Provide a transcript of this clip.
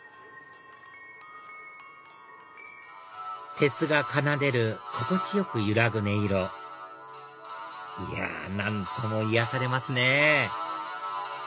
鉄が奏でる心地よく揺らぐ音色いや何とも癒やされますね